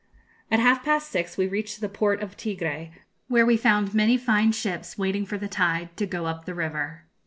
At half past six we reached the port of Tigré, where we found many fine ships waiting for the tide, to go up the river.